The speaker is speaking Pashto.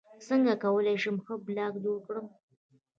څنګه کولی شم ښه بلاګ جوړ کړم